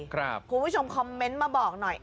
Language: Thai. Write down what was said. คุณผู้ชมคอมเมนต์มาบอกหน่อย